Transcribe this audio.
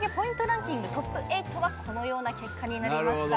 トップ８はこのような結果になりました。